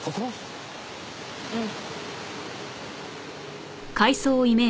うん。